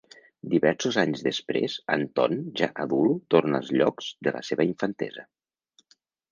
Diversos anys després, Anton ja adult torna als llocs de la seva infantesa.